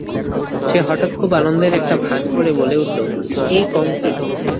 সে হঠাৎ খুব একটা আনন্দের ভান করে বলে উঠল, এই কম কী!